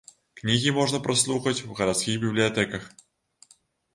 Кнігі можна праслухаць у гарадскіх бібліятэках.